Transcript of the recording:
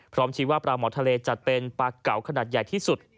ชี้ว่าปลาหมอทะเลจัดเป็นปลาเก่าขนาดใหญ่ที่สุด